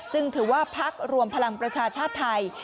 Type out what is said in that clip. จึงถือว่าพักรวมพลังประชาชาติไทย